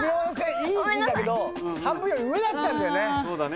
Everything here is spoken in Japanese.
いいんだけど半分より上だったんだよね。